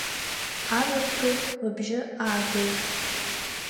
Амҩаԥгаҩ лыбжьы аагеит.